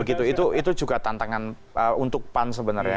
itu juga tantangan untuk pan sebenarnya